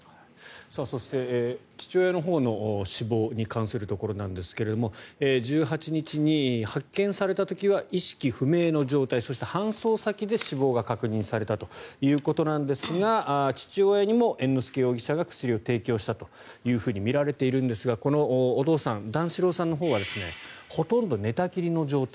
そして父親のほうの死亡に関するところですが１８日に発見された時は意識不明の状態そして搬送先で死亡が確認されたということなんですが父親にも猿之助容疑者が薬を提供したとみられているんですがこのお父さん段四郎さんのほうはほとんど寝たきりの状態。